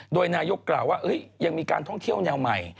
โดยนายกกล่าวว่ายังมีการท่องเที่ยวแนวใหม่